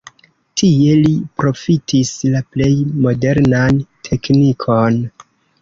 Tie li profitis la plej modernan teknikon.